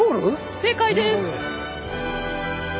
正解です。